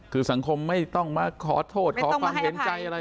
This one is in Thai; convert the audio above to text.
คือสังคมไม่ต้องมาขอโทษขอความเห็นใจอะไร